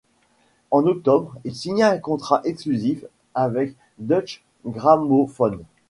En octobre, il signa un contrat exclusif avec Deutsche Grammophon.